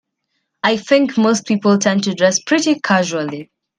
I think most people tend to dress pretty casually.